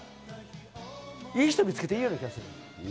いい人を見つけていいような気がする。